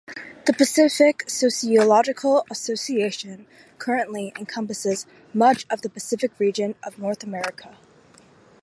The Pacific Sociological Association currently encompasses much of the Pacific region of North America.